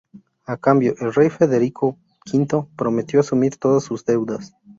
A cambio, el rey Federico V prometió asumir todas sus deudas.